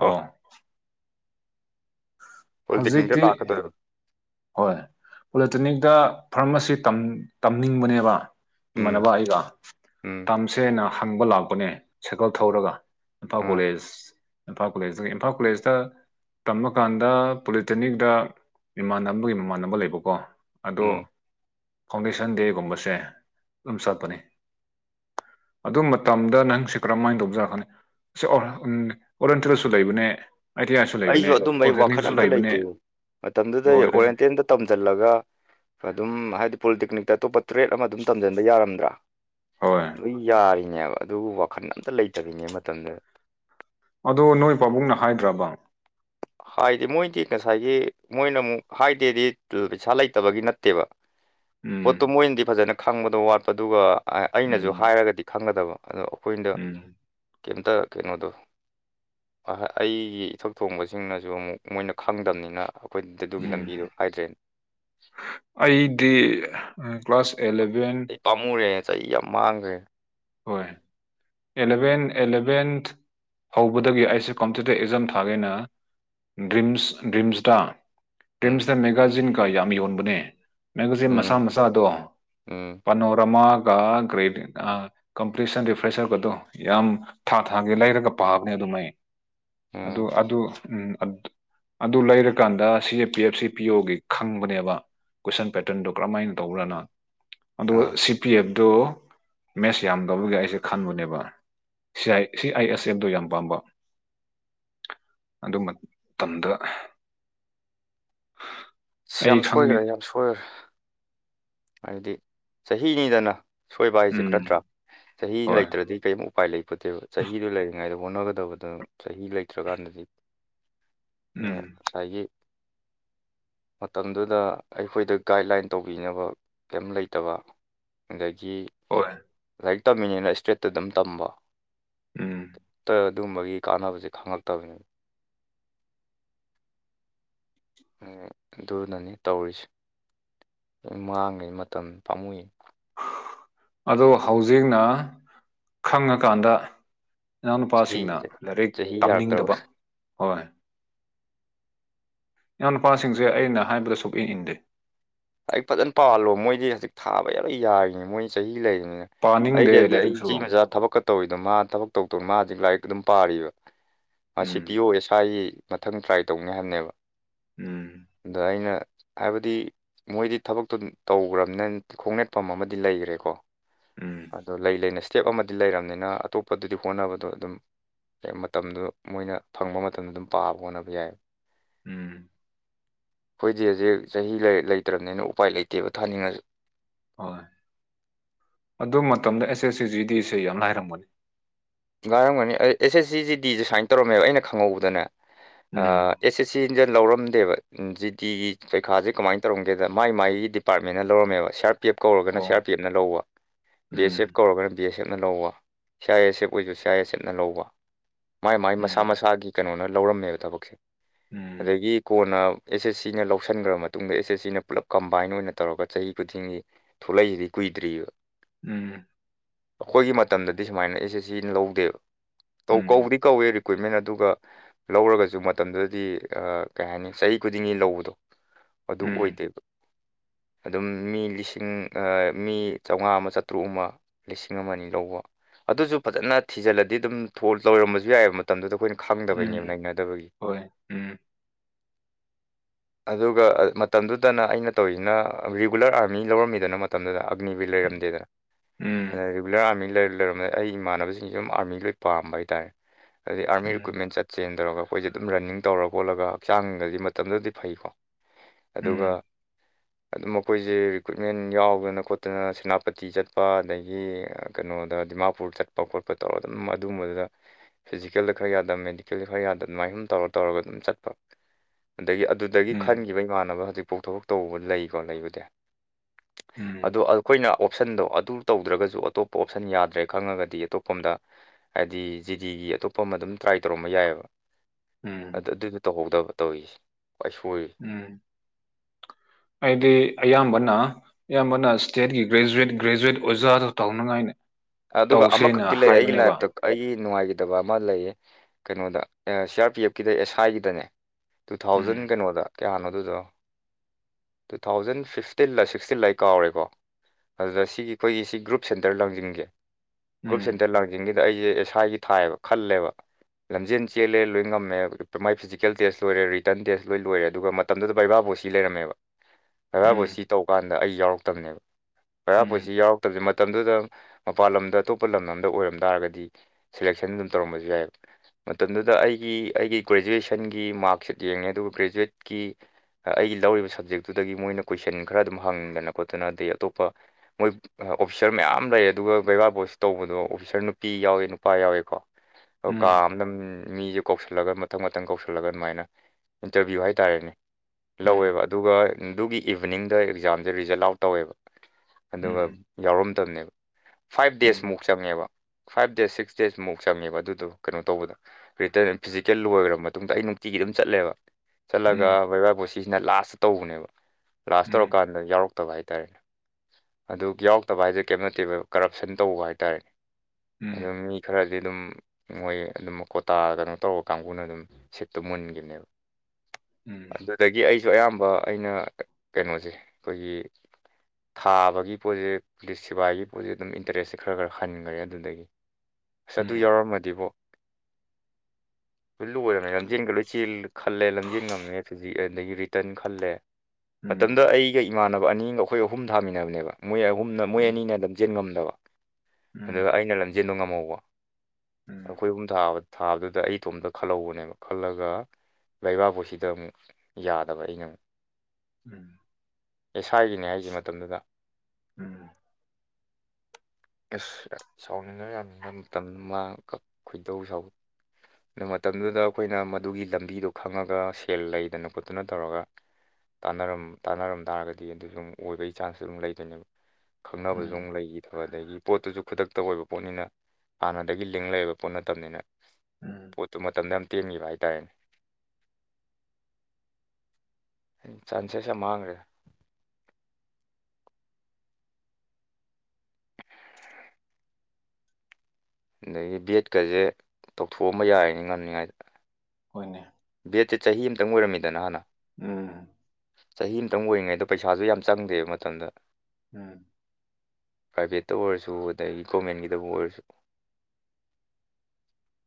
ꯀꯣ ꯍꯧꯖꯤꯛꯇꯤ [unintelligible] ꯍꯣꯏ ꯄꯣꯂꯤꯇꯦꯛꯅꯤꯛꯇ ꯐꯥꯔꯃꯥꯁꯤ ꯇꯝꯅꯤꯡꯕꯅꯦꯕ ꯎꯝ ꯏꯃꯥꯟꯅꯕ ꯑꯩꯒ ꯎꯝ ꯇꯝꯁꯦꯅ ꯍꯪꯕ ꯂꯥꯛꯄꯅꯦ ꯁꯥꯏꯀꯜ ꯊꯧꯔꯒ ꯊꯥꯎ ꯑ ꯀꯣꯂꯦꯖ ꯏꯝꯐꯥꯜ ꯀꯣꯂꯦꯖꯇ ꯏꯝꯐꯥꯜ ꯀꯣꯂꯦꯖꯇ ꯇꯝꯃ ꯀꯥꯟꯗ ꯄꯣꯂꯤꯇꯦꯛꯅꯤꯛꯇ ꯏꯃꯥꯟꯅꯕ ꯃꯒꯤ ꯃꯃꯥꯟꯅꯕ ꯂꯩꯕꯀꯣ ꯑꯗꯣ ꯎꯝ ꯐꯥꯎꯟꯗꯦꯁꯟ ꯗꯦꯒꯨꯝꯕꯁꯦ ꯑꯗꯨꯝ ꯆꯠꯄꯅꯦ ꯑꯗꯨ ꯃꯇꯝꯗ ꯅꯪꯁꯦ ꯀꯔꯝꯍꯥꯏꯅ ꯇꯧꯖꯥꯠꯅꯣꯅꯦ ꯁꯤ ꯑꯣ ꯎꯝ ꯑꯣꯔꯟꯇꯦꯜꯁꯨ ꯂꯩꯕꯅꯦ ꯑꯥꯏ ꯇꯤ ꯑꯥꯏꯁꯨ ꯑꯩꯁꯨ ꯂꯩꯕꯅꯦ ꯑꯗꯨꯝꯕ ꯑꯩ ꯋꯥꯈꯜ ꯄꯣꯂꯤꯇꯦꯛꯅꯤꯛꯁꯨ ꯑꯝꯇ ꯂꯩꯕꯅꯦ ꯂꯩꯇꯦ ꯃꯇꯝꯗꯨꯗ ꯑꯩ ꯂꯣꯏꯔꯦ ꯑꯣꯔꯦꯟꯇꯦꯟꯗ ꯇꯝꯁꯤꯜꯂꯒ ꯑꯗꯨꯝ ꯍꯥꯏꯗꯤ ꯄꯣꯂꯤꯇꯤꯅꯤꯛꯇ ꯑꯇꯣꯞꯄ ꯇ꯭ꯔꯦꯠ ꯑꯃ ꯑꯗꯨꯝ ꯇꯝꯖꯟꯕ ꯌꯥꯔꯝꯗ꯭ꯔꯥ ꯍꯣꯏ ꯂꯣꯏ ꯌꯥꯔꯤꯅꯦꯕ ꯑꯗꯨꯕꯨ ꯋꯥꯈꯜ ꯑꯝꯇ ꯂꯩꯇꯕꯤꯅꯦ ꯃꯇꯝꯗꯨꯗ ꯑꯗꯣ ꯅꯣꯏ ꯄꯥꯕꯨꯡꯅ ꯍꯥꯏꯗ꯭ꯔꯕ ꯍꯥꯏꯗꯤ ꯃꯣꯏꯗꯤ ꯉꯁꯥꯏꯒꯤ ꯃꯣꯏꯅ ꯑꯃꯨꯛ ꯍꯥꯏꯗꯦꯗꯤ ꯄꯩꯁꯥ ꯂꯩꯇꯕꯒꯤ ꯅꯠꯇꯦꯕ ꯄꯣꯠꯇꯣ ꯎꯝ ꯃꯣꯏꯅꯗꯤ ꯐꯖꯅ ꯈꯪꯕꯗꯣ ꯋꯥꯠꯄ ꯑꯗꯨꯒ ꯎꯝ ꯑꯩꯅꯁꯨ ꯍꯥꯏꯔꯒꯗꯤ ꯈꯪꯒꯗꯕ ꯑꯗꯣ ꯑꯩꯈꯣꯏꯗ ꯎꯝ ꯀꯩꯝꯇ ꯀꯩꯅꯣꯗꯣ ꯑꯩꯒꯤ ꯏꯊꯛ ꯊꯣꯡꯕꯁꯤꯡꯅꯁꯨ ꯑꯃꯨꯛ ꯃꯣꯏꯅ ꯈꯪꯗꯕꯅꯤꯅ ꯑꯩꯈꯣꯏꯗ ꯑꯗꯨꯒꯤ ꯎꯝ ꯂꯝꯕꯤꯗꯣ ꯍꯥꯏꯗ꯭ꯔꯦ ꯑꯩꯗꯤ ꯀ꯭ꯂꯥꯁ ꯑꯦꯂꯚꯦꯟ ꯑꯩ ꯄꯥꯝꯃꯨꯔꯦ ꯆꯍꯤ ꯌꯥꯝ ꯃꯥꯡꯈ꯭ꯔꯦ ꯍꯣꯏ ꯑꯦꯂꯚꯦꯟ ꯑꯦꯂꯚꯦꯟ ꯍꯧꯕꯗꯒꯤ ꯑꯩꯁꯦ ꯀꯣꯝꯄꯤꯇꯤꯇꯤꯞ ꯑꯦꯛꯖꯥꯝ ꯊꯥꯒꯦꯅ ꯗ꯭ꯔꯤꯝꯁ ꯗ꯭ꯔꯤꯝꯁꯗ ꯎꯝ ꯗ꯭ꯔꯤꯝꯁꯇ ꯃꯦꯒꯥꯖꯤꯟꯒ ꯌꯥꯝ ꯌꯣꯟꯕꯅꯦ ꯃꯦꯒꯥꯖꯤꯟ ꯃꯁꯥ ꯎꯝ ꯃ ꯆꯥꯗꯣ ꯎꯝ ꯄꯅꯣꯔꯃꯥꯒ ꯒ꯭ꯔꯦ ꯑ ꯀꯝꯄ꯭ꯔꯤꯁꯟ ꯔꯤ ꯄ꯭ꯔꯦꯁꯔꯒꯗꯨ ꯌꯥꯝ ꯊꯥ ꯊꯥꯒꯤ ꯂꯩꯔꯒ ꯄꯥꯕꯅꯦ ꯑꯗꯨꯝ ꯑꯩ ꯑꯗꯨ ꯎꯝ ꯑꯗꯨ ꯎꯝ ꯑ ꯑꯗꯨ ꯂꯩꯔꯀꯥꯟꯗ ꯁꯤ ꯑꯦ ꯄꯤ ꯑꯦꯐ ꯁꯤ ꯄꯤ ꯑꯣꯒꯤ ꯈꯪꯕꯅꯦꯕ ꯀꯣꯏꯁꯟ ꯄꯦꯇꯔ꯭ꯟꯗꯨ ꯀꯔꯝꯃꯥꯏꯅ ꯇꯧꯕ꯭ꯔꯅ ꯑꯗꯨ ꯑꯥ ꯁꯤ ꯄꯤ ꯑꯦꯐꯗꯨ ꯃꯦꯁ ꯌꯥꯝꯗꯕꯒꯤ ꯑꯩꯁꯦ ꯈꯟꯕꯅꯦꯕ ꯁꯤ ꯑꯥꯏ ꯁꯤ ꯑꯥꯏ ꯑꯦꯁ ꯑꯐꯗꯣ ꯌꯥꯝ ꯄꯥꯝꯕ ꯑꯗꯨ ꯃꯇꯝꯗ ꯁꯤ ꯑꯩ ꯌꯥꯝ ꯈꯪꯅꯤ ꯁꯣꯏꯈ꯭ꯔꯦ ꯌꯥꯝ ꯁꯣꯏꯈ꯭ꯔꯦ ꯍꯥꯏꯗꯤ ꯆꯍꯤꯅꯤꯗꯅ ꯁꯣꯏꯕ ꯍꯥꯏꯁꯦ ꯈ ꯎꯝ ꯅꯠꯇ꯭ꯔꯥ ꯆꯍꯤ ꯍꯣꯏ ꯂꯩꯇ꯭ꯔꯗꯤ ꯀꯔꯤꯝ ꯎꯄꯥꯏ ꯂꯩꯄꯣꯠꯇꯦꯕ ꯆꯍꯤꯗꯨ ꯂꯩꯔꯤꯉꯩꯗ ꯍꯣꯠꯅꯒꯗꯕꯗꯨ ꯆꯍꯤ ꯂꯩꯇ꯭ꯔꯀꯥꯟꯗꯗꯤ ꯎꯝ ꯉꯁꯥꯏꯒꯤ ꯃꯇꯝꯗꯨꯗ ꯑꯩꯈꯣꯏꯗ ꯒꯥꯏꯗꯂꯥꯏꯟ ꯇꯧꯕꯤꯅꯕ ꯀꯩꯝ ꯂꯩꯇꯕ ꯑꯗꯒꯤ ꯑꯣꯏ ꯂꯥꯏꯔꯤꯛ ꯇꯝꯃꯤꯅꯦꯅ ꯏꯁꯇ꯭ꯔꯦꯠꯇ ꯑꯗꯨꯝ ꯇꯝꯕ ꯎꯝ ꯇ ꯑꯗꯨꯒꯨꯝꯕꯒꯤ ꯀꯥꯟꯅꯕꯁꯦ ꯈꯪꯉꯛꯇꯕꯅꯦꯕ ꯎꯝ ꯑꯗꯨꯅꯅꯦ ꯇꯧꯔꯤꯁꯦ ꯂꯣꯏ ꯃꯥꯡꯒꯤ ꯃꯇꯝ ꯄꯥꯝꯃꯨꯏ ꯑꯗꯣ ꯍꯧꯖꯤꯛꯅ ꯈꯪꯉꯀꯥꯟꯗ ꯏꯅꯥꯎꯅꯨꯄꯥꯁꯤꯡꯅ ꯆꯍꯤꯁꯦ ꯂꯥꯏꯔꯤꯛ ꯆꯍꯤ ꯌꯥꯔꯛꯇ꯭ꯔꯕ ꯇꯝꯅꯤꯡꯗꯕ ꯍꯣꯏ ꯏꯅꯥꯎ ꯅꯨꯄꯥꯁꯤꯡꯁꯦ ꯑꯩꯅ ꯍꯥꯏꯕꯗ ꯁꯨꯛꯏ ꯏꯟꯗꯦ ꯂꯥꯏꯔꯤꯛ ꯐꯖꯅ ꯄꯥꯍꯜꯂꯣ ꯃꯣꯏꯗꯤ ꯍꯧꯖꯤꯛ ꯊꯥꯕ ꯌꯥꯝ ꯌꯥꯔꯤꯅꯤ ꯃꯣꯏ ꯆꯍꯤ ꯂꯩꯔꯤꯅꯤꯅ ꯑꯩꯗꯤ ꯄꯥꯅꯤꯡꯗꯦ ꯍꯧꯖꯤꯛ ꯑꯩ ꯂꯥꯏꯔꯤꯛꯁꯨ ꯆꯤ ꯃꯆꯥ ꯊꯕꯛꯀ ꯇꯧꯋꯤꯗꯣ ꯃꯥ ꯊꯕꯛ ꯇꯧꯇꯧ ꯃꯥ ꯍꯧꯖꯤꯛ ꯂꯥꯏꯔꯤꯛ ꯑꯗꯨꯝ ꯄꯥꯔꯤꯕ ꯃꯥ ꯁꯤ ꯎꯝ ꯄꯤ ꯑꯣ ꯑꯦꯁ ꯑꯥꯏꯒꯤ ꯃꯊꯪ ꯇ꯭ꯔꯥꯏ ꯇꯧꯅꯤ ꯍꯥꯏꯕꯅꯦꯕ ꯎꯝ ꯑꯗ ꯑꯩꯅ ꯍꯥꯏꯕꯗꯤ ꯃꯣꯏꯗꯤ ꯊꯕꯛꯇꯨ ꯇꯧꯈ꯭ꯔꯕꯅ ꯈꯣꯡꯅꯦꯠꯐꯝ ꯑꯃꯗꯤ ꯂꯩꯈ꯭ꯔꯦꯀꯣ ꯎꯝ ꯑꯗꯣ ꯂꯩ ꯂꯩꯅ ꯏꯁꯇꯦꯞ ꯑꯃꯗꯤ ꯂꯩꯔꯝꯅꯤꯅ ꯑꯇꯣꯞꯄꯗꯨꯗꯤ ꯍꯣꯠꯅꯕꯗꯣ ꯑꯗꯨꯝ ꯍ ꯃꯇꯝꯗꯨ ꯃꯣꯏꯅ ꯐꯪꯕ ꯃꯇꯝꯗ ꯑꯗꯨꯝ ꯄꯥꯕ ꯍꯣꯠꯅꯕ ꯌꯥꯏꯕ ꯎꯝ ꯈꯣꯏꯗꯤ ꯍꯧꯖꯤꯛ ꯆꯍꯤ ꯂꯩ ꯂꯩꯇ꯭ꯔꯝꯅꯤꯅ ꯎꯄꯥꯏ ꯂꯩꯇꯦꯕ ꯊꯥꯅꯤꯡꯉꯁꯨ ꯍꯣꯏ ꯑꯗꯨ ꯃꯇꯝꯗ ꯑꯦꯁ ꯑꯦꯁ ꯁꯤ ꯖꯤ ꯗꯤꯁꯦ ꯌꯥꯝ ꯂꯥꯏꯔꯝꯒꯅꯤ ꯂꯥꯏꯔꯝꯒꯅꯤ ꯑꯩ ꯑꯦꯁ ꯑꯦꯁ ꯁꯤꯖꯤ ꯗꯤꯁꯦ ꯁꯥꯏꯟ ꯇꯧꯔꯝꯃꯦꯕ ꯑꯩꯅ ꯈꯪꯍꯧꯕꯗꯅꯦ ꯑ ꯎꯝ ꯑꯦꯁ ꯑꯦꯁ ꯁꯤꯅ ꯂꯧꯔꯝꯗꯦꯕ ꯖꯤ ꯗꯤꯒꯤ ꯄꯩꯔꯤꯈꯥꯁꯦ ꯀꯃꯥꯏꯅ ꯇꯧꯔꯝꯒꯦꯗ ꯃꯥꯏ ꯃꯥꯏꯒꯤꯗꯤ ꯄꯥꯔ꯭ꯠꯃꯦꯟꯅ ꯂꯧꯔꯝꯃꯦꯕ ꯁꯤꯑꯔ ꯄꯤ ꯑꯦꯐ ꯀꯧꯔꯒꯅ ꯑꯣ ꯁꯤ ꯑꯥꯔ ꯄꯤ ꯑꯦꯐꯅ ꯂꯧꯕ ꯕꯤ ꯑꯦꯁ ꯑꯦꯐ ꯎꯝ ꯀꯧꯔꯒꯅ ꯕꯤ ꯑꯦꯁ ꯑꯦꯐꯅ ꯂꯧꯕ ꯁꯤ ꯑꯥꯔ ꯑꯦꯁ ꯑꯦꯐ ꯑꯣꯏꯁꯨ ꯁꯤ ꯑꯥꯏꯌꯦ ꯆꯦꯠꯅ ꯂꯧꯕ ꯃꯥꯏ ꯃꯥꯏ ꯃꯁꯥ ꯎꯝ ꯃꯁꯥꯒꯤ ꯀꯩꯅꯣꯅ ꯂꯧꯔꯝꯃꯦꯕ ꯊꯕꯛꯁꯦ ꯎꯝ ꯑꯗꯒꯤ ꯀꯣꯟꯅ ꯑꯦꯁ ꯑꯦꯁ ꯁꯤꯅ ꯂꯧꯁꯤꯟꯈ꯭ꯔ ꯃꯇꯨꯡꯗ ꯑꯦꯁ ꯑꯦꯁ ꯁꯤꯅ ꯄꯨꯜꯂꯞ ꯀꯝꯕꯥꯏꯟ ꯑꯣꯏꯅ ꯇꯧꯔꯒ ꯆꯍꯤ ꯈꯨꯗꯤꯡꯒꯤ ꯊꯣꯛꯂꯛꯏꯁꯤꯗꯤ ꯀꯨꯏꯗ꯭ꯔꯤꯕ ꯎꯝ ꯑꯈꯣꯏꯒꯤ ꯃꯇꯝꯗꯗꯤ ꯁꯨꯃꯥꯏꯅ ꯑꯦꯁ ꯁꯦ ꯁꯤꯅ ꯂꯧꯗꯦꯕ ꯇꯧ ꯎꯝ ꯀꯧꯕꯗꯤ ꯀꯧꯋꯦ ꯔꯤꯀ꯭ꯋꯤꯠꯃꯦꯟ ꯑꯗꯨꯒ ꯂꯧꯔꯒꯁꯨ ꯃꯇꯝꯗꯨꯗꯗꯤ ꯑ ꯀꯩ ꯍꯥꯏꯅꯤ ꯆꯍꯤ ꯈꯨꯗꯤꯡꯒꯤ ꯂꯧꯕꯗꯣ ꯑꯗꯨ ꯎꯝ ꯑꯣꯏꯗꯦꯕ ꯑꯗꯨꯝ ꯃꯤ ꯂꯤꯁꯤꯡ ꯑ ꯃꯤ ꯆꯥꯝꯃꯉꯥ ꯑꯃ ꯆꯥꯇ꯭ꯔꯨꯛ ꯑꯃ ꯂꯤꯁꯤꯡ ꯑꯃ ꯑꯅꯤ ꯂꯧꯕ ꯑꯗꯨꯁꯨ ꯐꯖꯅ ꯊꯤꯖꯤꯜꯂꯗꯤ ꯑꯗꯨꯝ ꯐꯣꯜꯇꯧꯔꯝꯕꯁꯨ ꯌꯥꯏꯌꯦꯕ ꯃꯇꯝꯗꯨꯗ ꯑꯩꯈꯣꯏꯅ ꯈꯪꯗꯕꯩꯅꯦ ꯎꯝ ꯅꯩꯅꯗꯕꯒꯤ ꯍꯣꯏ ꯎꯝ ꯑꯗꯨꯒ ꯃꯇꯝꯗꯨꯗꯅ ꯑꯩꯅ ꯇꯧꯔꯤꯁꯤꯅ ꯔꯤꯒꯨꯂꯔ ꯑꯥꯔꯃꯤ ꯂꯧꯔꯝꯃꯤꯗꯅ ꯃ ꯇꯝꯗꯨꯗ ꯑꯒꯅꯤꯒꯤ ꯎꯝ ꯂꯩꯔꯝꯗꯦꯗꯅ ꯑꯗꯨꯅ ꯎꯝ ꯔꯤꯒꯨꯂꯔ ꯑꯥꯔꯃꯤ ꯂꯩ ꯂꯩꯔꯝꯕ ꯑꯩ ꯏꯃꯥꯟꯅꯕꯁꯤꯡꯁꯤ ꯑꯗꯨꯝ ꯑꯥꯔꯃꯤ ꯂꯣꯏ ꯄꯥꯝꯕ ꯍꯥꯏꯇꯥꯔꯦ ꯑꯗꯩ ꯑꯥꯔꯃꯤ ꯔꯤꯀ꯭ꯋꯤꯞꯃꯦꯟ ꯆꯠꯁꯦꯅ ꯇꯧꯔꯒ ꯑꯩꯈꯣꯏꯁꯦ ꯑꯗꯨꯝ ꯔꯟꯅꯤꯡ ꯇꯧꯔ ꯈꯣꯠꯂꯒ ꯍꯛꯆꯥꯡꯗꯗꯤ ꯃꯇꯝꯗꯨꯗꯗꯤ ꯐꯩꯀꯣ꯫ ꯎꯝ ꯑꯗꯨꯒ ꯑꯗꯨꯝ ꯑꯈꯣꯏꯁꯦ ꯔꯤꯀ꯭ꯔꯨꯏꯠꯃꯦꯟ ꯌꯥꯎꯗꯅ ꯈꯣꯠꯇꯅ ꯁꯦꯅꯥꯄꯇꯤ ꯆꯠꯄ ꯑꯗꯒꯤ ꯀꯩꯅꯣꯗ ꯗꯤꯃꯥꯄꯨꯔ ꯆꯠꯄ ꯈꯣꯠꯄ ꯇꯧꯔꯒ ꯑꯗꯨꯝ ꯑꯗꯨꯝꯕꯗꯨꯗ ꯐꯤꯖꯤꯀꯦꯜꯗ ꯈꯔ ꯌꯥꯗꯕ ꯃꯦꯗꯤꯀꯦꯜꯗ ꯈꯔ ꯌꯥꯗ ꯑꯗꯨꯃꯥꯏꯅ ꯁꯨꯝ ꯇꯧꯔ ꯇꯧꯔꯒ ꯑꯗꯨꯝ ꯆꯠꯄ ꯑꯗꯒꯤ ꯑꯗꯨꯗꯒꯤ ꯎꯝ ꯈꯟꯈꯤꯕ ꯏꯃꯥꯟꯅꯕ ꯍꯧꯖꯤꯛ ꯐꯥꯎ ꯊꯕꯛ ꯇꯧꯕ ꯂꯩꯀꯣ ꯂꯩꯕꯗꯤ ꯎꯝ ꯑꯗꯣ ꯑꯩꯈꯣꯏꯅ ꯑꯣꯞꯁꯟꯗꯣ ꯑꯗꯨ ꯇꯧꯗ꯭ꯔꯒꯁꯨ ꯑꯇꯣꯞꯄ ꯑꯣꯞꯁꯟ ꯌꯥꯗ꯭ꯔꯦ ꯈꯪꯉꯒꯗꯤ ꯑꯇꯣꯞꯄꯝꯗ ꯍꯥꯏꯗꯤ ꯖꯤꯗꯤꯒꯤ ꯑꯇꯣꯞꯄ ꯑꯃ ꯑꯗꯨꯝ ꯇ꯭ꯔꯥꯏ ꯇꯧꯔꯝꯕ ꯌꯥꯏꯌꯦꯕ ꯑꯗꯨ ꯎꯝ ꯑꯗꯨꯏꯗꯣ ꯇꯧꯍꯧꯗꯕ ꯇꯧꯔꯤꯁꯦ ꯈ꯭ꯋꯥꯏ ꯁꯣꯏꯔꯤꯁꯦ ꯎꯝ ꯑꯩꯗꯤ ꯑꯌꯥꯝꯕꯅ ꯑꯌꯥꯝꯕꯅ ꯏꯁꯇꯦꯠꯀꯤ ꯒ꯭ꯔꯦꯖꯨꯋꯦꯠ ꯒ꯭ꯔꯦꯖꯨꯋꯦꯠ ꯑꯣꯖꯥꯗꯣ ꯇꯧꯅꯤꯡꯉꯥꯏꯅꯦ꯫ ꯑꯗꯨꯒ ꯑꯃꯈꯛꯇꯤ ꯂꯩ ꯑꯩꯒꯤ ꯂꯥꯏꯐꯇ ꯑꯩꯒꯤ ꯅꯨꯡꯉꯥꯏꯒꯤꯗꯕ ꯑꯃ ꯂꯩꯌꯦ ꯀꯩꯅꯣꯗ ꯁꯤ ꯑꯥꯔ ꯄꯤ ꯑꯦꯐꯀꯤꯗ ꯑꯦꯁ ꯁꯥꯏꯒꯤꯗꯅꯦ ꯇꯨ ꯊꯥꯎꯖꯟ ꯎꯝ ꯀꯩꯅꯣꯗ ꯀꯌꯥꯅꯣ ꯑꯗꯨꯗꯣ ꯇꯨ ꯊꯥꯎꯖꯟ ꯐꯤꯐꯇꯤꯟꯂ ꯁꯤꯛꯁꯇꯤꯟꯂ ꯑꯩ ꯀꯥꯎꯔꯦꯀꯣ ꯑꯗꯨꯗ ꯁꯤꯒꯤ ꯑꯩꯈꯣꯏꯒꯤ ꯁꯤ ꯒ꯭ꯔꯨꯞ ꯁꯦꯟꯇꯔ ꯂꯥꯡꯖꯤꯡꯒꯤ ꯒ꯭ꯔꯨꯞ ꯎꯝ ꯁꯦꯟꯇꯔ ꯂꯥꯡꯖꯤꯡꯒꯤꯗ ꯑꯩꯁꯦ ꯑꯦꯁ ꯁꯥꯏꯒꯤ ꯊꯥꯏꯑꯕ ꯈꯜꯂꯦꯕ ꯂꯝꯖꯦꯟ ꯆꯦꯜꯂꯦ ꯂꯣꯏ ꯉꯝꯃꯦ ꯃꯥꯏ ꯐꯤꯖꯤꯀꯦꯜ ꯇꯦꯁ ꯂꯣꯏꯔꯦ ꯔꯤꯇꯔꯟ ꯇꯦꯁ ꯂꯣꯏ ꯂꯣꯏꯔꯦ ꯑꯗꯨꯒ ꯃꯇꯝꯗꯨꯗ ꯕꯩꯕꯥꯕꯣ ꯁꯤ ꯂꯩꯔꯝꯃꯦꯕ ꯎꯝ ꯕꯩꯕꯄꯣꯠꯁꯤ ꯇꯧ ꯀꯥꯟꯗ ꯑꯩ ꯌꯥꯎꯔꯛꯇꯅꯦꯕ ꯎꯝ ꯕꯩꯔꯥꯄꯣꯠꯁꯤ ꯌꯥꯎꯔꯛꯇꯕꯁꯦ ꯃꯇꯝꯗꯨꯗ ꯃꯄꯥꯟ ꯂꯝꯗ ꯑꯇꯣꯞꯄ ꯂꯝ ꯂꯝꯗ ꯑꯣꯏꯔꯝ ꯇꯥꯔꯒꯗꯤ ꯁꯦꯂꯦꯛꯁꯟ ꯑꯗꯨꯝ ꯇꯧꯔꯝꯕꯁꯨ ꯌꯥꯏꯕ ꯃꯇꯝꯗꯨꯗ ꯑꯩꯒꯤ ꯑꯩꯒꯤ ꯒ꯭ꯔꯦꯖꯨꯋꯦꯁꯟꯒꯤ ꯃꯥꯔꯛꯁꯤꯠ ꯌꯦꯡꯉꯦ ꯑꯗꯨꯒ ꯒ꯭ꯔꯦꯖꯨꯋꯦꯠꯀꯤ ꯑꯩꯒꯤ ꯂꯧꯔꯤꯕ ꯁꯞꯖꯦꯛꯇꯨꯗꯒꯤ ꯃꯣꯏꯅ ꯀꯣꯏꯁꯟ ꯈꯔ ꯑꯗꯨꯝ ꯍꯪꯗꯅ ꯈꯣꯠꯇꯅ ꯑꯗꯩ ꯑꯇꯣꯞꯄ ꯃꯣꯏ ꯑꯣꯐꯤꯁꯥꯔ ꯃꯌꯥꯝ ꯂꯩ ꯑꯗꯨꯒ ꯕꯩꯕꯥ ꯕꯣꯁ ꯇꯧꯕꯗꯣ ꯑꯣꯐꯤꯁꯥꯔ ꯅꯨꯄꯤ ꯌꯥꯎꯋꯦ ꯅꯨꯄꯥ ꯌꯥꯎꯋꯦꯀꯣ ꯑꯣ ꯀꯥ ꯎꯝ ꯑꯝꯗ ꯃꯤꯁꯦ ꯀꯧꯁꯜꯂꯒ ꯃꯊꯪ ꯃꯊꯪ ꯀꯧꯁꯜꯂꯒ ꯑꯗꯨꯃꯥꯏꯅ ꯏꯟꯇꯔꯚꯤꯌꯨ ꯍꯥꯏꯇꯥꯔꯦꯅꯦ ꯎꯝ ꯂꯧꯋꯦꯕ꯫ ꯑꯗꯨꯒ ꯑꯗꯨꯒꯤ ꯏꯚꯅꯤꯡꯗ ꯑꯦꯛꯖꯥꯝꯁꯦ ꯔꯤꯖꯜ ꯑꯥꯎꯠ ꯇꯧꯋꯦꯕ ꯑꯗꯨꯒ ꯎꯝ ꯌꯥꯎꯔꯝꯗꯕꯅꯦꯕ ꯐꯥꯏꯚ ꯎꯝ ꯗꯦꯖꯃꯨꯛ ꯆꯪꯉꯦꯕ ꯐꯥꯏꯚ ꯗꯦꯖ ꯁꯤꯛꯁ ꯗꯦꯖꯃꯨꯛ ꯆꯪꯉꯦꯕ ꯑꯗꯨꯗꯣ ꯀꯩꯅꯣ ꯇꯧꯕꯗ ꯔꯤꯇ ꯐꯤꯖꯤꯀꯦꯜ ꯂꯣꯏꯈ꯭ꯔ ꯃꯇꯨꯡꯗ ꯑꯩ ꯅꯨꯡꯇꯤꯒꯤ ꯑꯗꯨꯝ ꯆꯠꯂꯦꯕ ꯆꯠꯂꯒ ꯎꯝ ꯕꯩꯕꯥꯏꯕꯣꯠ ꯁꯤꯁꯤꯅ ꯂꯥꯁꯇ ꯇꯧꯕꯅꯦꯕ ꯂꯥꯁ ꯎꯝ ꯇꯧꯔꯀꯥꯟꯗ ꯌꯥꯎꯔꯛ ꯇꯕ ꯍꯥꯏꯇꯥꯔꯦꯅꯦ ꯑꯗꯨ ꯌꯥꯎꯔꯛꯇꯕ ꯍꯥꯏꯁꯦ ꯀꯔꯤꯝ ꯅꯠꯇꯦꯕ ꯀꯔꯞꯁꯟ ꯇꯧꯕ ꯍꯥꯏꯇꯥꯔꯦꯅꯦ ꯎꯝ ꯑꯗꯨꯝ ꯃꯤ ꯈꯔꯗꯤ ꯑꯗꯨꯝ ꯃꯣꯏ ꯑꯗꯨꯝ ꯀꯣꯇꯥ ꯀꯩꯅꯣ ꯇꯧꯔꯒ ꯀꯥꯡꯕꯨꯅ ꯑꯗꯨꯝ ꯁꯤꯠꯇꯣ ꯃꯨꯟꯒꯤꯕꯅꯦꯕ ꯑꯗꯨꯗꯒꯤ ꯑꯩꯁꯨ ꯑꯌꯥꯝꯕ ꯑꯩꯅ ꯀꯩꯅꯣꯁꯦ ꯈꯣꯏꯒꯤ ꯊꯥꯕꯒꯤ ꯄꯣꯠꯁꯦ ꯄꯨꯂꯤꯁ ꯁꯤꯕꯥꯏꯒꯤ ꯈꯣꯏꯖꯦ ꯗꯨꯝ ꯏꯟꯇꯔꯦꯁꯇꯤ ꯈꯔ ꯈꯔ ꯍꯟꯒꯔꯦ ꯑꯗꯨꯗꯒꯤ ꯑꯁ ꯑꯗꯨ ꯌꯥꯎꯔꯝꯃꯗꯤꯀꯣ [unintelligible] ꯂꯣꯏ ꯂꯣꯏꯔꯝꯃꯦ ꯂꯝꯖꯦꯟꯒ ꯂꯣꯏ ꯆꯦꯜ ꯈꯜꯂꯦ ꯂꯝꯖꯦꯟ ꯉꯝꯃꯦꯖꯤꯛ ꯑꯗꯒꯤ ꯔꯤꯇꯟ ꯈꯜꯂꯦ ꯃꯇꯝꯗꯨꯗ ꯑꯩꯒ ꯏꯃꯥꯟꯅꯕ ꯑꯅꯤꯒ ꯑꯩꯈꯣꯏ ꯑꯍꯨꯝ ꯊꯥꯃꯤꯟꯅꯕꯅꯦꯕ ꯃꯣꯏ ꯑꯍꯨꯝꯅ ꯃꯣꯏ ꯑꯅꯤꯅ ꯂꯝꯖꯦꯟ ꯉꯝꯗꯕ ꯑꯗꯨꯒ ꯑꯩꯅ ꯂꯝꯖꯦꯟꯗꯣ ꯉꯝꯍꯧꯕ ꯑꯩꯈꯣꯏ ꯑꯍꯨꯝ ꯊꯥ ꯊꯥꯕꯗꯨꯗ ꯑꯩ ꯏꯇꯣꯝꯇ ꯈꯜꯍꯧꯕꯅꯦꯕ ꯈꯜꯂꯒ ꯂꯩꯕꯥꯛꯄꯨꯁꯤꯗ ꯑꯃꯨꯛ ꯌꯥꯗꯕ ꯑꯩꯅ ꯎꯝ ꯑꯦꯁ ꯑꯥꯏꯒꯤꯅꯤ ꯍꯥꯏꯁꯦ ꯃꯇꯝꯗꯨꯗ ꯑꯁ ꯁꯥꯎꯅꯤꯡꯗꯅ ꯌꯥꯅꯤꯡꯉꯝ ꯃꯇꯝꯗ ꯃꯥ ꯈꯣꯏꯗꯧ ꯁꯥꯎꯕ ꯑꯗꯨ ꯃꯇꯝꯗꯨꯗ ꯑꯩꯈꯣꯏꯅ ꯃꯗꯨꯒꯤ ꯂꯝꯕꯤꯗꯣ ꯈꯪꯉꯒ ꯁꯦꯜ ꯂꯩꯗꯅ ꯈꯣꯠꯇꯅ ꯇꯧꯔꯒ ꯇꯥꯟꯅꯔꯝ ꯇꯥꯟꯅꯔꯝ ꯇꯥꯔꯒꯗꯤ ꯑꯗꯨꯁꯨ ꯑꯃꯨꯛ ꯑꯣꯏꯕꯒꯤ ꯆꯥꯟꯁꯁꯨ ꯑꯗꯨꯝ ꯂꯩꯗꯣꯏꯅꯦꯕ ꯈꯪꯅꯕꯁꯨ ꯁꯨꯃꯨꯡ ꯂꯩꯒꯤꯗ ꯄꯣꯠꯇꯨꯁꯨ ꯈꯨꯗꯛꯇ ꯑꯣꯏꯕ ꯄꯣꯠꯅꯤꯅ ꯍꯥꯟꯅꯗꯒꯤ ꯂꯤꯡ ꯂꯩꯕ ꯄꯣꯠ ꯅꯠꯇꯝꯅꯤꯅ ꯄꯣꯠꯇꯨ ꯃꯇꯝꯗ ꯌꯥꯝ ꯇꯦꯟꯒꯤꯕ ꯍꯥꯏꯇꯥꯔꯦꯅꯦ ꯆꯥꯟꯁꯦꯁ ꯌꯥꯝ ꯃꯥꯡꯒꯔꯦ ꯑꯗꯒꯤ ꯕꯦꯠꯀꯁꯦ ꯇꯧꯊꯣꯛꯑꯝꯕ ꯌꯥꯔꯤꯅꯦ ꯉꯟꯂꯤꯉꯥꯏꯗ ꯍꯣꯏꯅꯦ ꯕꯦꯠꯁꯦ ꯆꯍꯤ ꯑꯃꯇꯪ ꯑꯣꯏꯔꯝꯃꯤꯗꯅ ꯍꯥꯟꯅ ꯎꯝ ꯆꯍꯤ ꯑꯃꯇꯪ ꯑꯣꯏꯔꯤꯉꯩꯗ ꯄꯩꯁꯥꯁꯨ ꯌꯥꯝ ꯆꯪꯗꯦꯕ ꯃꯇꯝꯗꯨꯗ ꯎꯝ ꯄ꯭ꯔꯥꯏꯚꯦꯠꯇ ꯑꯣꯏꯔꯁꯨ ꯑꯗꯒꯤ ꯒꯣꯃꯦꯟꯒꯤꯗꯕꯨ ꯑꯣꯏꯔꯁꯨ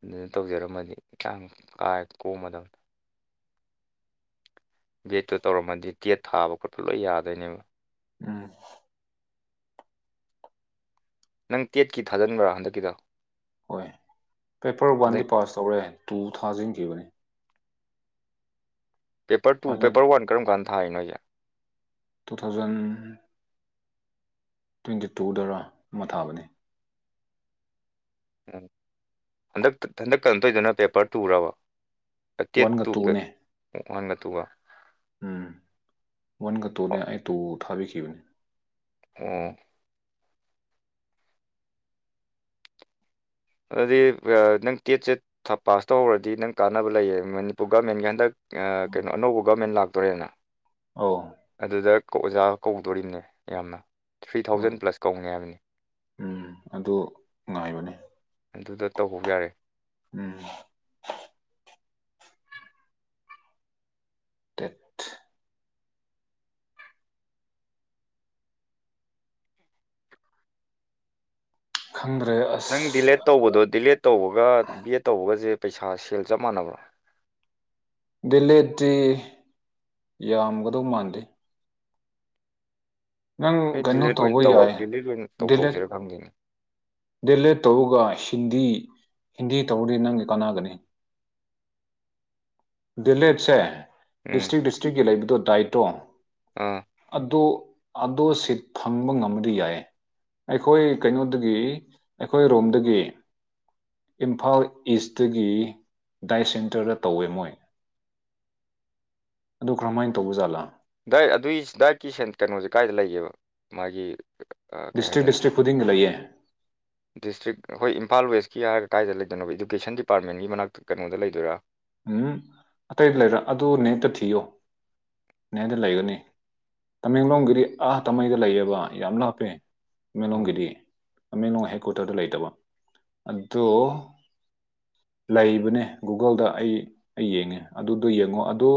ꯑꯗꯨꯗ ꯇꯧꯖꯔꯝꯃꯗꯤ [unintelligible] ꯀꯣꯝꯃꯗꯝ ꯕꯦꯠꯇꯨ ꯇꯧꯔꯝꯃꯗꯤ ꯇꯦꯠ ꯊꯥꯕ ꯈꯣꯠꯄ ꯂꯣꯏ ꯌꯥꯗꯣꯏꯅꯦꯕ ꯎꯝ ꯅꯪ ꯇꯦꯠꯀꯤ ꯊꯥꯖꯤꯟꯕ꯭ꯔꯥ ꯍꯟꯗꯛꯀꯤꯗꯣ ꯍꯣꯏ ꯄꯦꯄꯔ ꯋꯥꯟꯗꯤ ꯑꯗꯩ ꯄꯥꯁ ꯇꯧꯔꯦ ꯇꯨ ꯊꯥꯖꯤꯟꯈꯤꯕꯅꯦ ꯄꯦꯄꯔ ꯇꯨ ꯍꯥꯟꯅ ꯄꯦꯄꯔ ꯋꯥꯟ ꯀꯔꯝ ꯀꯥꯟꯗ ꯊꯥꯏꯅꯣꯁꯦ ꯇꯨ ꯊꯥꯎꯖꯟ ꯇ꯭ꯋꯦꯟꯇꯤ ꯇꯨꯗꯔꯥ ꯑꯃ ꯊꯥꯕꯅꯤ ꯎꯝ ꯍꯟꯗꯛ ꯍꯟꯗꯛ ꯀꯩ ꯇꯧꯗꯨꯅ ꯄꯦꯄꯔ ꯇꯨꯔꯕ ꯋꯥꯟꯒ ꯇꯦꯠꯇꯨ ꯇꯨꯅꯦ ꯋꯥꯟꯒ ꯇꯨꯒ ꯎꯝ ꯋꯥꯟꯒ ꯑꯣ ꯇꯨꯅꯦ ꯑꯩ ꯇꯨ ꯊꯥꯕꯤꯈꯤꯕꯅꯦ ꯑꯣ ꯑꯗꯨꯗꯤ ꯅꯪ ꯇꯦꯠꯁꯦ ꯄꯥꯁ ꯇꯧꯍꯧꯔꯗꯤ ꯅꯪ ꯀꯥꯟꯅꯕ ꯂꯩꯌꯦ ꯃꯅꯤꯄꯨꯔ ꯒꯃꯦꯟꯒꯤ ꯍꯟꯗꯛ ꯀꯩꯅꯣ ꯑꯅꯧꯕ ꯒꯕꯃꯦꯟ ꯂꯥꯛꯇꯣꯔꯦꯅ ꯑꯧ ꯑꯗꯨꯗ ꯑꯣꯖꯥ ꯀꯧꯗꯣꯔꯤꯕꯅꯦ ꯌꯥꯝꯅ ꯊ꯭ꯔꯤ ꯍꯣꯏ ꯊꯥꯎꯖꯟ ꯄ꯭ꯂꯁ ꯀꯧꯅꯤ ꯍꯥꯏꯕꯅꯤ ꯎꯝ ꯑꯗꯨ ꯉꯥꯏꯕꯅꯦ ꯑꯗꯨꯗ ꯇꯧꯍꯧ ꯌꯥꯔꯦ ꯎꯝ ꯇꯦꯠ ꯈꯪꯗ꯭ꯔꯦ ꯑꯥ ꯅꯪ ꯗꯤꯂꯦꯠ ꯇꯧꯕꯗꯣ ꯗꯤꯂꯦꯠ ꯇꯧꯕꯒ ꯕꯤꯌꯦꯠ ꯇꯧꯕꯒꯁꯦ ꯄꯩꯁꯥ ꯁꯦꯜ ꯆꯞ ꯃꯥꯟꯅꯕ꯭ꯔꯥ ꯗꯤꯂꯦꯠꯇꯤ ꯌꯥꯝꯒꯗꯧ ꯃꯥꯟꯗꯦ ꯅꯪ ꯑꯩ ꯀꯩꯅꯣ ꯗꯤꯂꯦꯠ ꯑꯣꯏꯅ ꯇꯧꯕ ꯇꯧ ꯌꯥꯏ ꯗꯤꯂꯦꯠ ꯑꯣꯏꯅ ꯗꯤꯂꯦꯠ ꯇꯧꯊꯣꯛꯁꯤꯔꯥ ꯈꯪꯗꯦꯅꯦ ꯗꯦꯂꯦꯠ ꯇꯧꯔꯒ ꯍꯤꯟꯗꯤ ꯍꯤꯟꯗꯤ ꯇꯧꯔꯗꯤ ꯅꯪꯒꯤ ꯀꯥꯟꯅꯒꯅꯤ [inaudible] ꯗꯤꯂꯦꯖꯁꯦ ꯎꯝ ꯗꯤꯁꯇ꯭ꯔꯤꯛ ꯗꯤꯁꯇ꯭ꯔꯤꯛꯀꯤ ꯂꯩꯕꯗꯣ ꯗꯥꯏꯇꯣ ꯑꯥ ꯑꯗꯣ ꯑꯗꯣ ꯁꯤꯠ ꯐꯪꯕ ꯉꯝꯃꯗꯤ ꯌꯥꯏ ꯑꯩꯈꯣꯏ ꯀꯩꯅꯣꯗꯒꯤ ꯑꯩꯈꯣꯏ ꯔꯣꯝꯗꯒꯤ ꯏꯝꯐꯥꯜ ꯏꯁꯇꯒꯤ ꯗꯥꯏ ꯁꯦꯟꯇꯔꯗ ꯇꯧꯋꯦ ꯃꯣꯏ ꯑꯗꯨ ꯀꯔꯃꯥꯏꯅ ꯇꯧꯕ ꯖꯥꯠꯂꯥ ꯗꯥꯏꯠ ꯑꯗꯨꯏ ꯗꯥꯏꯠꯀꯤ ꯁꯦꯟ ꯀꯩꯅꯣꯁꯦ ꯀꯥꯏꯗ ꯂꯩꯒꯦꯕ ꯃꯥꯒꯤ ꯑ, ꯀꯩ ꯗꯤꯁꯇ꯭ꯔꯤꯛ ꯍꯥꯏꯗꯣꯏꯅꯣ ꯗꯤꯇ꯭ꯔꯤꯛ ꯈꯨꯗꯤꯡ ꯂꯩꯌꯦ ꯗꯤꯁꯇ꯭ꯔꯤꯛ ꯍꯣꯏ ꯏꯝꯐꯥꯜ ꯋꯦꯁꯀꯤ ꯍꯥꯏꯔ ꯀꯥꯏꯗ ꯂꯩꯗꯣꯏꯅꯣ ꯏꯗꯨꯀꯦꯁꯟ ꯗꯤꯄꯥꯔꯠꯃꯦꯟꯒꯤ ꯃꯅꯥꯛꯇ ꯀꯩꯅꯣꯗ ꯂꯩꯗꯣꯏꯔꯥ ꯎꯝ ꯑꯇꯩꯗ ꯂꯩꯔꯣꯏ ꯑꯗꯨ ꯅꯦꯛꯇ ꯊꯤꯌꯣ ꯅꯦꯗ ꯂꯩꯒꯅꯤ ꯇꯃꯦꯡꯂꯣꯡꯒꯤꯗꯤ ꯑꯥ ꯇꯥꯃꯩꯗ ꯂꯩꯌꯦꯕ ꯌꯥꯝ ꯂꯥꯞꯄꯦ ꯎꯝ ꯇꯃꯦꯡꯂꯣꯡꯒꯤꯗꯤ ꯇꯃꯦꯡꯂꯣꯡ ꯍꯦꯛꯀ꯭ꯨꯇꯔꯗ ꯂꯩꯇꯕ ꯑꯗꯣ ꯂꯩꯕꯅꯦ ꯒꯨꯒꯜꯗ ꯑꯩ ꯑꯩ ꯌꯦꯡꯉꯦ ꯑꯗꯨꯗꯣ ꯌꯦꯡꯉꯣ ꯑꯗꯨ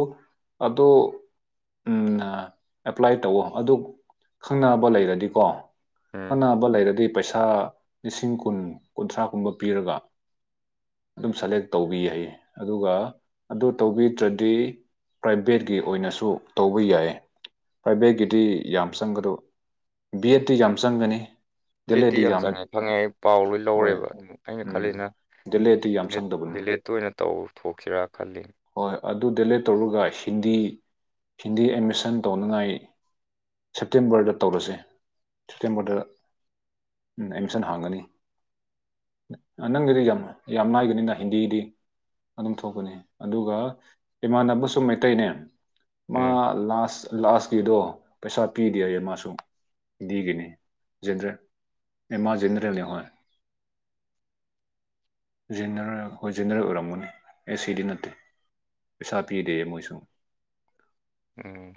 ꯑꯗꯣ ꯎꯝ ꯑꯦꯄ꯭ꯂꯥꯏ ꯇꯧꯋ ꯑꯗꯨ ꯈꯪꯅꯕ ꯂꯩꯔꯗꯤꯀꯣ ꯎꯝ ꯈꯟꯅꯅꯕ ꯂꯩꯔꯗꯤ ꯄꯩꯁꯥ ꯂꯤꯁꯤꯡ ꯀꯨꯟ ꯀꯨꯟꯊ꯭ꯔꯥ ꯀꯨꯝꯕ ꯄꯤꯔꯒ ꯑꯗꯨꯝ ꯁꯦꯂꯦꯛ ꯇꯧꯕ ꯌꯥꯏꯌꯦ ꯑꯗꯨꯒ ꯑꯗꯨ ꯇꯧꯕꯤꯗ꯭ꯔꯗꯤ ꯄ꯭ꯔꯥꯏꯚꯦꯠꯀꯤ ꯑꯣꯏꯅꯁꯨ ꯇꯧꯕ ꯌꯥꯏ ꯄꯥꯏꯕꯦꯒꯤꯗꯤ ꯌꯥꯝ ꯆꯪꯒꯗꯣ ꯕꯤ ꯑꯦꯗꯇꯤ ꯌꯥꯝ ꯆꯪꯒꯅꯤ ꯄꯦꯠꯇꯤ ꯌꯥꯝ ꯆꯪꯉꯦ ꯈꯪꯉꯦ ꯑꯩ ꯄꯥꯎ ꯂꯣꯏ ꯂꯧꯔꯦꯕ ꯑꯩꯅ ꯈꯜꯂꯤꯅ ꯗꯦꯂꯦꯗꯤ ꯌꯥꯝ ꯗꯤꯂꯦꯠ ꯆꯪꯗꯕꯅꯤ ꯗꯤꯂꯦꯠꯇ ꯑꯣꯏꯅ ꯇꯧꯊꯣꯛꯁꯤꯔꯥ ꯈꯜꯂꯤ ꯍꯣꯏ ꯑꯗꯨ ꯗꯦꯂꯦꯠ ꯇꯧꯔꯒ ꯍꯤꯟꯗꯤ ꯍꯤꯟꯗꯤ ꯑꯦꯠꯃꯤꯁꯟ ꯇꯧꯅꯉꯥꯏ ꯁꯦꯞꯇꯦꯝꯕꯔꯗ ꯇꯧꯔꯁꯦ ꯁꯦꯞꯇꯦꯝꯕꯔꯗ ꯎꯝ ꯑꯦꯃꯤꯁꯟ ꯍꯥꯡꯒꯅꯤ ꯅꯪꯒꯤꯗꯤ ꯌꯥꯝ ꯌꯥꯝ ꯅꯥꯥꯏꯒꯅꯤꯅ ꯍꯤꯟꯗꯤꯒꯤꯗꯤ ꯑꯗꯨꯝ ꯊꯣꯛꯄꯅꯤ ꯑꯗꯨꯒ ꯏꯃꯥꯟꯅꯕꯁꯨ ꯃꯩꯇꯩꯅꯦ ꯃꯥ ꯎꯝ ꯂꯥꯁ ꯂꯥꯁ ꯗꯦꯗꯣ ꯄꯩꯁꯥ ꯄꯤꯗꯦ ꯍꯥꯏꯌꯦ ꯃꯥꯁꯨ ꯍꯤꯟꯗꯤꯒꯤꯅꯦ ꯖꯦꯟꯗ꯭ꯔꯦ ꯃꯥ ꯖꯦꯅꯔꯦꯜ ꯍꯣꯏ ꯖꯦꯅꯔꯦꯜ ꯑꯩꯈꯣꯏ ꯖꯦꯅꯔꯦꯜ ꯑꯣꯏꯔꯝꯒꯅꯤ ꯑꯦ ꯁꯤꯗꯤ ꯅꯠꯇꯦ ꯄꯩꯁꯥ ꯄꯤꯗꯦ ꯃꯣꯏꯁꯨ ꯎꯝ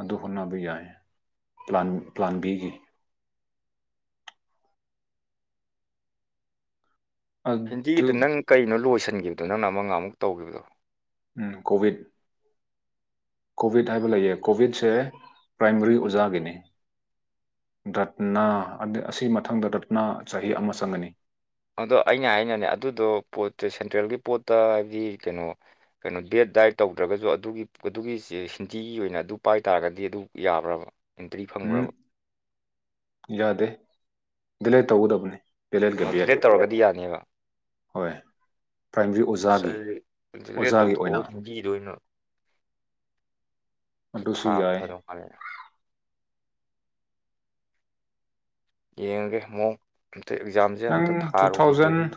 ꯑꯗꯨ ꯍꯣꯠꯅꯕ ꯌꯥꯏ ꯄ꯭ꯂꯥꯟ ꯄ꯭ꯂꯥꯟꯕꯤꯒꯤ ꯑꯗꯨ ꯍꯤꯟꯗꯤꯒꯤꯗ ꯅꯪ ꯀꯩꯅꯣ ꯂꯣꯏꯁꯤꯟꯈꯤꯕꯗꯣ ꯅꯪꯅ ꯑꯃꯒ ꯑꯃꯨꯛ ꯇꯧꯈꯤꯕꯗꯣ ꯎꯝ ꯀꯣꯚꯤꯠ ꯀꯣꯕꯤꯠ ꯍꯥꯏꯕ ꯂꯩꯌꯦ ꯀꯣꯕꯤꯠꯁꯦ ꯄ꯭ꯔꯥꯏꯃꯔꯤ ꯑꯣꯖꯥꯒꯤꯅꯤ ꯔꯠꯅꯥ ꯑꯁꯤ ꯃꯊꯪꯗ ꯔꯠꯅꯥ ꯆꯍꯤ ꯑꯃ ꯆꯪꯒꯅꯤ ꯑꯗꯣ ꯑꯩꯅ ꯍꯥꯏꯩꯅꯅꯦ ꯑꯗꯨꯗꯣ ꯄꯣ ꯁꯦꯟꯇ꯭ꯔꯦꯜꯒꯤ ꯄꯣꯠꯇ ꯍꯥꯏꯕꯗꯤ ꯀꯩꯅꯣ ꯀꯩꯅꯣ ꯕꯦꯠ ꯗꯥꯏꯠ ꯇꯧꯗ꯭ꯔꯒꯁꯨ ꯑꯗꯨꯒꯤ ꯑꯗꯨꯒꯤꯁꯦ ꯍꯤꯟꯗꯤꯒꯤ ꯑꯣꯏꯅ ꯑꯗꯨ ꯄꯥꯏ ꯇꯥꯔꯒꯗꯤ ꯑꯗꯨ ꯌꯥꯕ꯭ꯔꯕ ꯑꯦꯟꯇ꯭ꯔꯤ ꯎꯝ ꯐꯪꯈ꯭ꯔꯕ ꯌꯥꯗꯦ ꯗꯤꯂꯦꯠ ꯇꯧꯒꯗꯕꯅꯦ ꯑꯣ [unintelligible] ꯌꯥꯏ ꯗꯤꯂꯦꯠ ꯇꯧꯔꯒꯗꯤ ꯌꯥꯅꯦꯕ ꯍꯣꯏ ꯄ꯭ꯔꯥꯏꯃꯔꯤ ꯑꯁ ꯑꯣꯖꯥꯒꯤ ꯑꯗꯨꯗꯤ ꯗꯤꯂꯦꯠ ꯑꯣꯖꯥꯒꯤ ꯑꯣꯏꯅ ꯇꯧꯊꯣꯛꯑꯒ ꯍꯤꯟꯗꯤꯗ ꯑꯣꯏꯅ ꯑꯗꯨꯁꯨ ꯌꯥꯏ ꯑꯔꯦ ꯌꯦꯡꯉꯒꯦ ꯃꯑꯣꯡ ꯑꯝꯇ ꯑꯦꯛꯖꯥꯝꯁꯦ ꯑꯝꯇ ꯅꯪ ꯇꯨ ꯊꯥꯔꯨꯒꯤꯒꯦ ꯊꯥꯎꯖꯟ ꯑꯗꯨꯒꯤ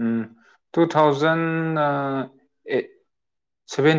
ꯎꯝ ꯇꯨ ꯊꯥꯎꯖꯟ ꯑꯦ ꯁꯦꯚꯦꯟ